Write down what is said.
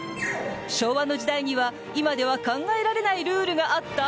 昭和の時代には今では考えられないルールがあった？